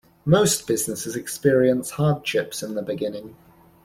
Most businesses experience hardships in the beginning.